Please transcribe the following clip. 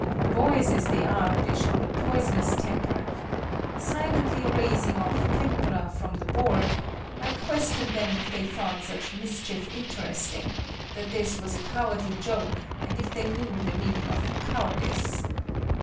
Boys as they are, they showed a "poisonous temper." Silently erasing off "tempura" from the board, I questioned them if they thought such mischief interesting, that this was a cowardly joke and if they knew the meaning of "cowardice."